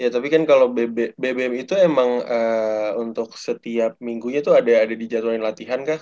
ya tapi kan kalo bbm itu emang untuk setiap minggunya tuh ada di jadwain latihan kak